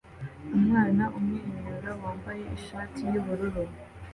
Umwana umwenyura wambaye ishati yubururu